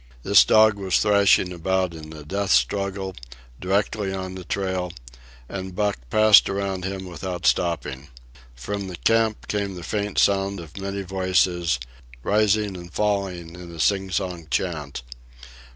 This dog was thrashing about in a death struggle, directly on the trail, and Buck passed around him without stopping. From the camp came the faint sound of many voices, rising and falling in a sing song chant.